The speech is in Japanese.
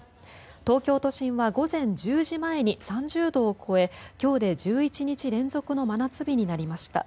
東京都心は午前１０時前に３０度を超え今日で１１日連続の真夏日になりました。